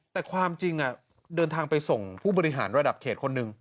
แต่ความจริงเดินทางไปส่งผู้บริหารระดับเขตคนหนึ่ง